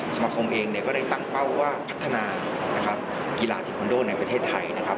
สมาคมเองเนี่ยก็ได้ตั้งเป้าว่าพัฒนานะครับกีฬาเทคอนโดในประเทศไทยนะครับ